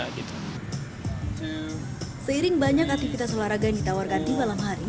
seiring banyak aktivitas olahraga yang ditawarkan di malam hari